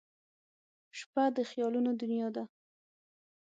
• شپه د خیالونو دنیا ده.